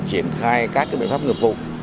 triển khai các biện pháp nghiệp vụ